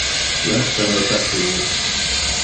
Lassa me partir!